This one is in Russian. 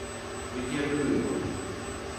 Ведь я люблю его.